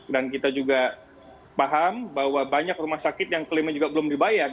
dan kita juga paham bahwa banyak rumah sakit yang klaimnya juga belum dibayar